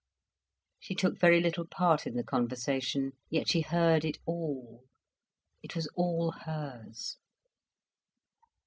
She took very little part in the conversation, yet she heard it all, it was all hers.